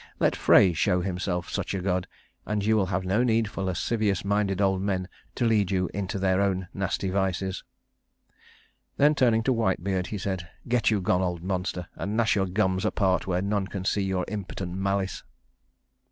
Let Frey show himself such a God, and you will have no need for lascivious minded old men to lead you into their own nasty vices." Then turning to Whitebeard, he said, "Get you gone, old monster, and gnash your gums apart where none can see your impotent malice."